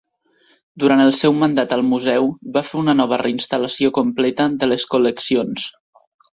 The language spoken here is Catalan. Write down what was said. Durant el seu mandat al museu va fer una nova reinstal·lació completa de les col·leccions.